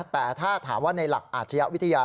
แต่ถ้าถามว่าในหลักอาชญาวิทยา